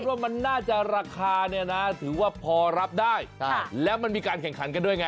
ว่ามันน่าจะราคาเนี่ยนะถือว่าพอรับได้แล้วมันมีการแข่งขันกันด้วยไง